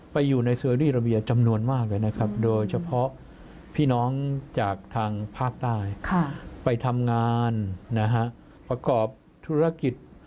ไปทำงานประกอบธุรกิจ